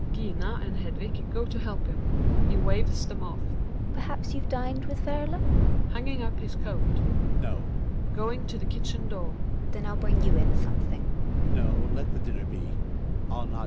Gina and Hed\^g go to help him. He waives them off.) Gina. Perhaps you've dined with Werle? Hjalmar {hanging up his coat). No. Gina {going to the kitchen door). Then I'll bring you in something.